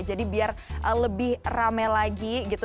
jadi biar lebih rame lagi gitu